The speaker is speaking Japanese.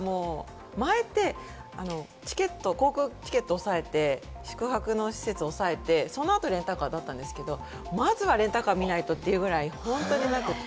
もうタクシーも並ぶし、レンタカーも前って、航空チケットをおさえて、宿泊の施設を押さえて、そのあとレンタカーだったんですけど、まずはレンタカー見ないとというくらい本当になくて。